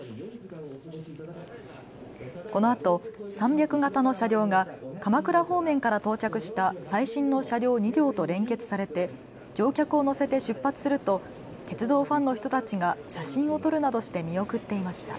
このあと３００形の車両が鎌倉方面から到着した最新の車両２両と連結されて乗客を乗せて出発すると鉄道ファンの人たちが写真を撮るなどして見送っていました。